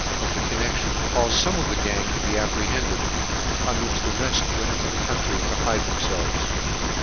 of the connection, caufed fome of the gang to be apprehended ; on which the reft went into the country to hide them felves.